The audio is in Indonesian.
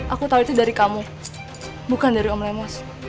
aku tahu itu dari kamu bukan dari om lemos